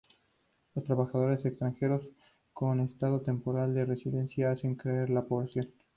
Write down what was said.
Los trabajadores extranjeros con estado temporal de residencia hacen crecer la población.